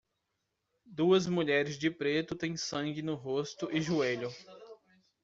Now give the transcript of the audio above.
Duas mulheres de preto têm sangue no rosto e joelho